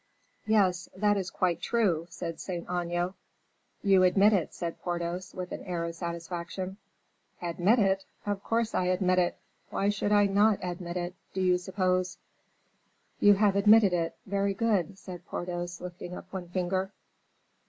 "Yes, that is quite true," said Saint Aignan. "You admit it," said Porthos, with an air of satisfaction. "Admit it! of course I admit it. Why should I not admit it, do you suppose?" "You have admitted it. Very good," said Porthos, lifting up one finger.